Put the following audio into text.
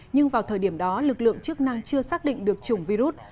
nhưng vào thời điểm đó lực lượng chức năng chưa xác định được chủng virus